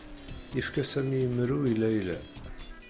Yefka Sami imru i Layla.